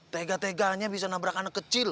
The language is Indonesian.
tega teganya bisa nabrak anak kecil